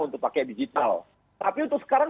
untuk pakai digital tapi untuk sekarang